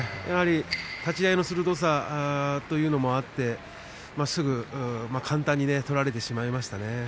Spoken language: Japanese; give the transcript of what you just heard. やはり立ち合いの鋭さというのもあってすぐに簡単に取られてしまいましたね。